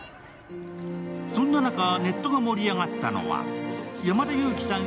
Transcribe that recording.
そんな中、ネットが盛り上がったのは山田裕貴さん